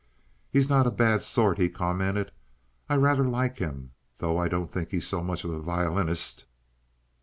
"He's not a bad sort," he commented. "I rather like him, though I don't think he's so much of a violinist."